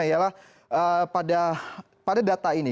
yalah pada data ini